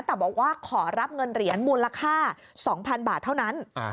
แต่บอกว่าขอรับเงินเหรียญมูลค่า๒๐๐๐บาทเท่านั้น